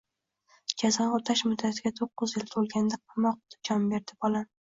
Jazoni o`tash muddatiga to`qqiz yil to`lganda qamoqda jon berdi, bolam